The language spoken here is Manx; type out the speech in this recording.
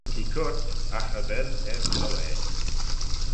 T'eh coyrt agh cha vel er ny hauail.